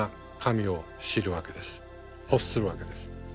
欲するわけです。